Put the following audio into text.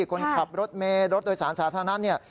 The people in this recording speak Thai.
คนขับรถเมร็ดรถโดยสารสาธารณะ